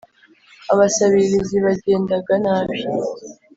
abasabirizi bagendaga nabi